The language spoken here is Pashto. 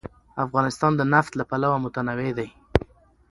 افغانستان د نفت له پلوه متنوع دی.